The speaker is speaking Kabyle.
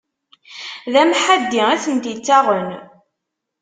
D amḥaddi i tent-ittaɣen.